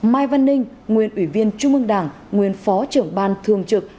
mai văn ninh nguyên ủy viên trung ương đảng nguyên phó trưởng ban thường trực